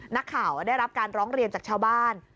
นักข่าวได้รับการร้องเรียนจากชาวบ้าน